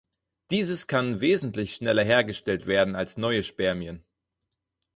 Dieses kann wesentlich schneller hergestellt werden als neue Spermien.